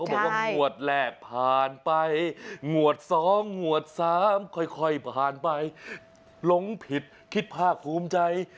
ก็บอกว่างวดแหลกผ่านไปงวดสองงวดสามค่อยผ่านไปลงผิดคิดพากภูมิใจ